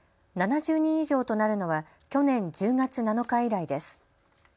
７０人以上となるのは去年１０月７日以来です。